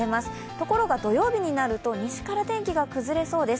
ところが土曜日になると、西から天気が崩れそうです。